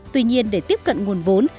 tuy nhiên để tiếp cận nguồn vốn